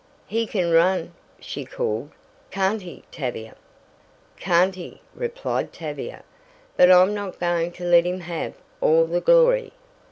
"He can run!" she called, "Can't he, Tavia?" "Can't he!" replied Tavia. "But I'm not going to let him have all the glory.